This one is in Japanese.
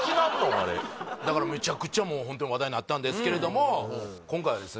あれめちゃくちゃもうホントに話題になったんですけれども今回はですね